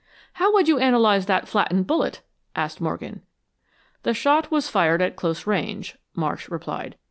"How would you analyze that flattened bullet?" asked Morgan. "The shot was fired at close range," Marsh replied.